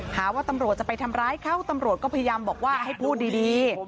หาว่าตำรวจจะไปทำร้ายเขาตำรวจก็พยายามบอกว่าให้พูดดี